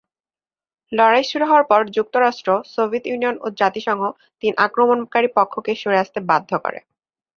লড়াই শুরু হওয়ার পর যুক্তরাষ্ট্র, সোভিয়েত ইউনিয়ন ও জাতিসংঘ তিন আক্রমণকারী পক্ষকে সরে আসতে বাধ্য করে।